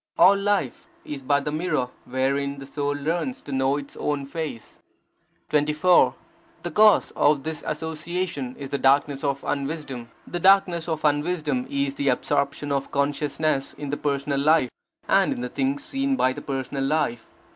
All life is but the mirror wherein the Soul learns to know its own face. 24. The cause of this association is the darkness of unwisdom. The darkness of unwisdom is the absorption of consciousness in the personal life, and in the things seen by the personal life.